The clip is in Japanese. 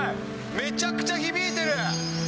めちゃくちゃ響いてる。